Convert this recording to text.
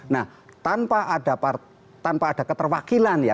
nah tanpa ada keterwakilan ya